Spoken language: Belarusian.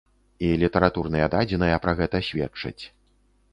І літаратурныя дадзеныя пра гэта сведчаць.